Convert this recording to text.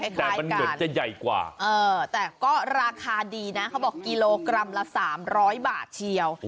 ใช่คล้ายคล้ายกันแต่มันเงินจะใหญ่กว่าเออแต่ก็ราคาดีนะเขาบอกกิโลกรัมละสามร้อยบาทเชียว